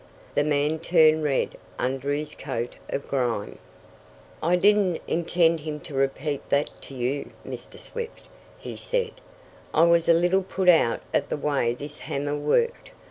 The man turned red under his coat of grime. "I didn't intend him to repeat that to you, Mr. Swift," he said. "I was a little put out at the way this hammer worked.